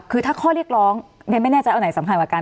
หรือถ้าข้อเรียกร้องเราแน่ใจจะเอาไหนสำคัญกว่ากัน